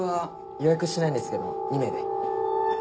予約してないんですけど２名で。